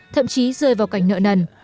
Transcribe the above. thậm chí rơi vào cảnh nợ nần